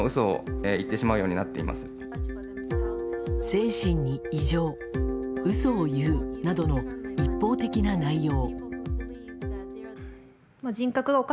精神に異常、嘘を言うなどの一方的な内容。